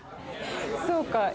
そうかえ？